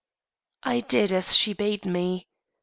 I did as she bade me. Mr.